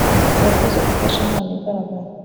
urakoze gufasha impano igaragara